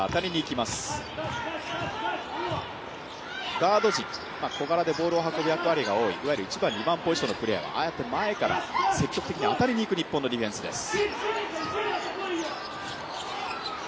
ガード陣、いわゆる小柄でボールを運ぶ役割が多いいわゆる１番、２番ポジションのプレーヤーが、こうやって前から積極的に当たりにいく日本のディフェンスです。